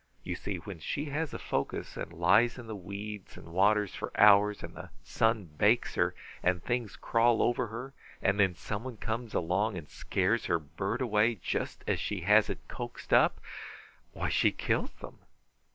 You see, when she has a focus, and lies in the weeds and water for hours, and the sun bakes her, and things crawl over her, and then someone comes along and scares her bird away just as she has it coaxed up why, she kills them.